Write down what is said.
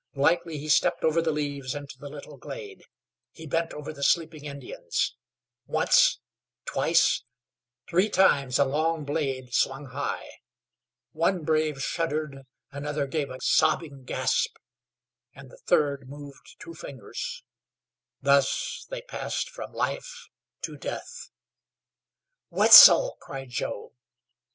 Lightly he stepped over the leaves into the little glade. He bent over the sleeping Indians. Once, twice, three times a long blade swung high. One brave shuddered another gave a sobbing gasp, and the third moved two fingers thus they passed from life to death. "Wetzel!" cried Joe.